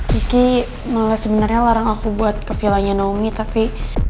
rizky malah sebenarnya larang aku buat ke villanya naomi tapi